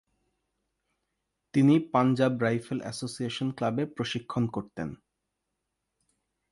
তিনি Punjab rifle association ক্লাবে প্রশিক্ষণ করতেন।